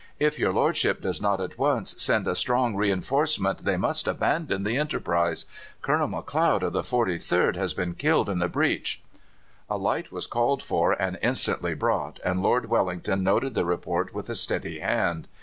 If your lordship does not at once send a strong reinforcement they must abandon the enterprise. Colonel McLeod, of the 43rd, has been killed in the breach.' "A light was called for and instantly brought, and Lord Wellington noted the report with a steady hand.